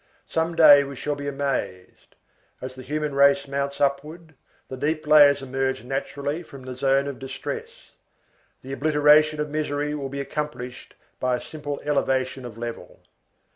Some day we shall be amazed. As the human race mounts upward, the deep layers emerge naturally from the zone of distress. The obliteration of misery will be accomplished by a simple elevation of level.